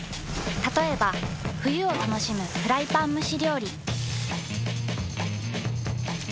たとえば冬を楽しむフライパン蒸し料理。